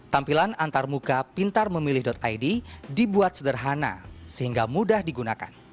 tampilan antarmuka pintarmemilih id dibuat sederhana sehingga mudah digunakan